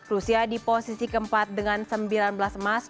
rusia di posisi keempat dengan sembilan belas emas